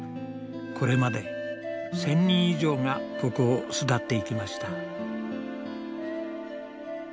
これまで１，０００人以上がここを巣立っていきました。